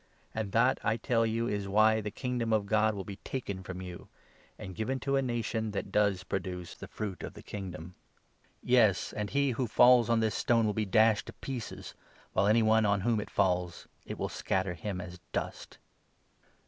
And that, I tell you, is why the Kingdom of God will be 43 taken from you, and given to a nation that does produce x Isa. 5. i— a. « Ps. 118. aa. MATTHEW, 21 22. 83 the fruit of the Kingdom. Yes, and he who falls on 44 this stone will be dashed to pieces, while any one on whom it falls — it will scatter him as dust."